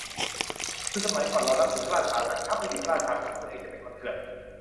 คือสมัยก่อนเรานับถือพระราชากัน ถ้าไม่มีพระราชาเป็นของตัวเอง จะเป็นคนเถื่อน